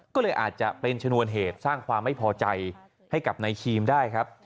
ก็เลยอาจจะเป็นชนวนเหตุสร้างความไม่พอใจให้กับนายครีมได้ครับ